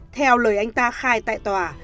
theo lời anh ta khai tại tòa